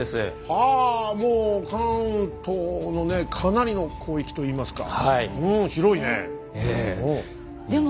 はぁもう関東のねかなりの広域といいますかうん広いねえ。